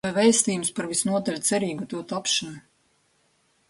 Vai vēstījums par visnotaļ cerīgu to tapšanu.